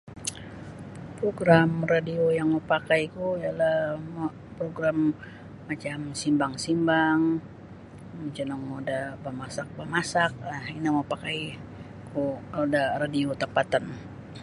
Program radio yang mapakaiku ialah um program macam simbang-simbang macinongou da bamasak-bamasak um ino mapakaiku kalau da radio tampatan.